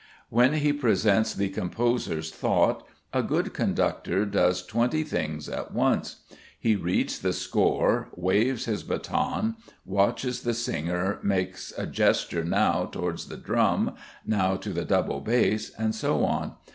When he presents the composer's thought, a good conductor does twenty things at once. He reads the score, waves his baton, watches the singer makes a gesture now towards the drum, now to the double bass, and so on.